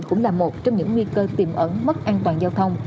cũng là một trong những nguy cơ tiềm ẩn mất an toàn giao thông